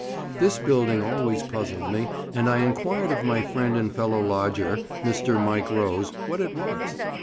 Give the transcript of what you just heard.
This building always puzzled me, and I enquired of my friend and fellow lodger, Mr. Mike Rose, what it was.